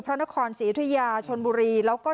พระนครศรียุธยาชนบุรีแล้วก็